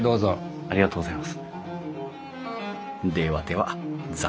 ありがとうございます。